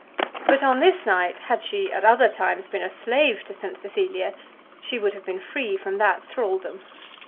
But on this night, had she at other times been a slave to St. Cecilia, she would have been free from that thraldom.